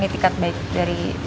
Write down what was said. di tiket baik dari